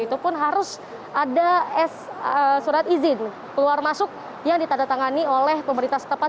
itu pun harus ada surat izin keluar masuk yang ditanda tangani oleh pemerintah setepat